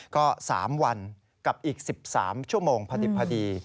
ก็๓วันกับอีก๑๓ชั่วโมงพอดี